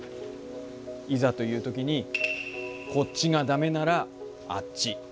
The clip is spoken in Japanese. いざという時にこっちがダメならあっち。